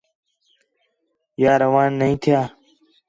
یا روان نہیں تِھیا